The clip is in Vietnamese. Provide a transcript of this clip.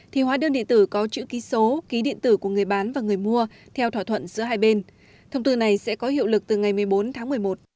thì hóa đơn điện tử có chữ ký số ký điện tử của người bán và người mua theo thỏa thuận giữa hai bên thông tư này sẽ có hiệu lực từ ngày một mươi bốn tháng một mươi một